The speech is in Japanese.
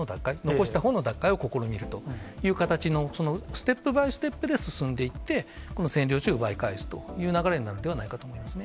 残したほうの奪回を試みるという形の、そのステップバイステップで進んでいって、占領地を奪い返すという形になるんではないかと思いますね。